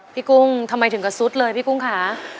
กุ้งทำไมถึงกระซุดเลยพี่กุ้งค่ะ